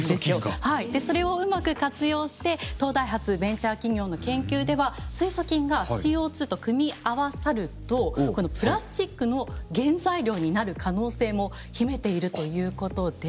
それをうまく活用して東大発ベンチャー企業の研究では水素菌がＣＯと組み合わさるとプラスチックの原材料になる可能性も秘めているということで。